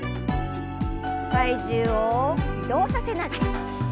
体重を移動させながら。